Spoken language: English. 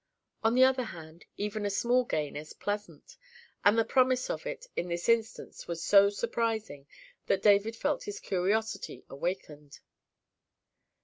On the other hand, even a small gain is pleasant, and the promise of it in this instance was so surprising, that David felt his curiosity awakened.